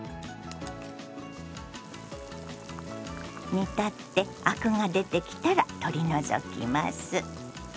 煮立ってアクが出てきたら取り除きます。